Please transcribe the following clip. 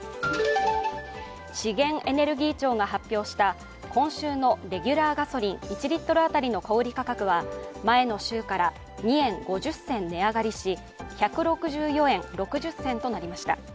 資源エネルギー庁が発表した今週のレギュラーガソリン１リットルあたりの小売価格は前の週から２円５０銭値上がりし１６４円６０銭となりました。